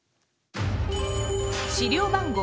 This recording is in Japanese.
資料番号